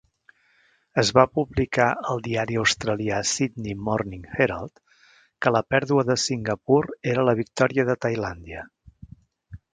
Es va publicar al diari australià Sydney Morning Herald que la pèrdua de Singapur era la victòria de Tailàndia.